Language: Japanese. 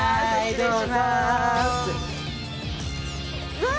うわ！